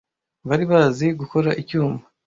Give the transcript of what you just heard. Bari bazi gukora icyuma.